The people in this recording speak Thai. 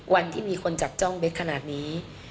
วันที่มีคนจับจ้องเบคขนาดนี้